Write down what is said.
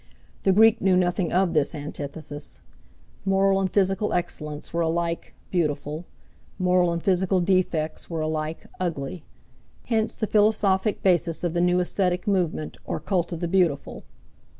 The Greek knew nothing of this antithesis. Moral and physical excellence were alike "beautiful;" moral and physical defects were alike "ugly." hence the philosophic basis of the new aesthetic movement, or cult of the beautiful.